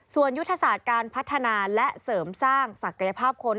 ส่วนยุทธศาสตร์การพัฒนาและเสริมสร้างศักยภาพคน